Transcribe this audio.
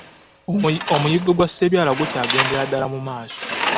Omuyiggo gwa Ssebyala gukyagendera ddala mu maaso.